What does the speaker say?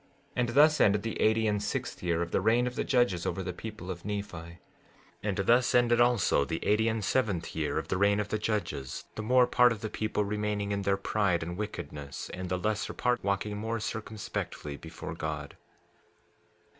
16:9 And thus ended the eighty and sixth year of the reign of the judges over the people of Nephi. 16:10 And thus ended also the eighty and seventh year of the reign of the judges, the more part of the people remaining in their pride and wickedness, and the lesser part walking more circumspectly before God.